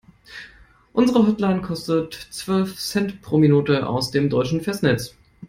Unsere Hotline kostet zwölf Cent pro Minute aus dem deutschen Festnetz.